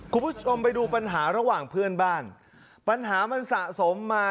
คุณผู้ชมไปดูปัญหาระหว่างเพื่อนบ้านปัญหามันสะสมมา